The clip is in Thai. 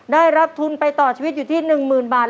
ได้รับทุนไปต่อชีวิตอยู่ที่๑๐๐๐บาท